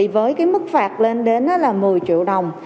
với cái mức phạt lên đến là một mươi triệu đồng